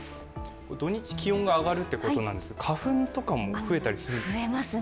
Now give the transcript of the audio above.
土日気温が上がるということですが、花粉とかも増えたりするんですか？